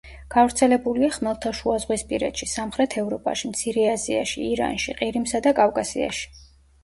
გავრცელებულია ხმელთაშუაზღვისპირეთში, სამხრეთ ევროპაში, მცირე აზიაში, ირანში, ყირიმსა და კავკასიაში.